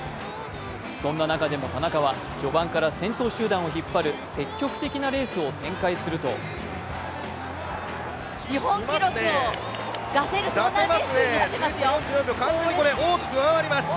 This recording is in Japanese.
そんな中でも田中は序盤から先頭集団を引っ張る積極的なレースを展開すると日本記録を出せるそんなレースになっていますよ。